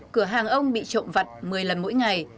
cửa hàng ông bị trộm vặt một mươi lần mỗi ngày